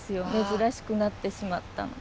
珍しくなってしまったの。